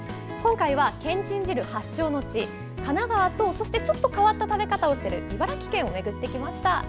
今回はけんちん汁発祥の地・神奈川とちょっと変わった食べ方をする茨城県をめぐってきました。